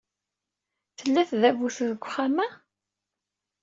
Tella tdabut deg texxamt-a.